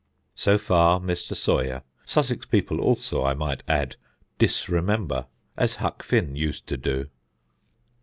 So far Mr. Sawyer. Sussex people also, I might add, "disremember," as Huck Finn used to do.